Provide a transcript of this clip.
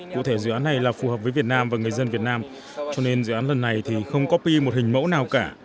cụ thể dự án này là phù hợp với việt nam và người dân việt nam cho nên dự án lần này thì không copy một hình mẫu nào cả